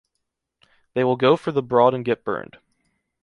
They will go for the broad and get burned.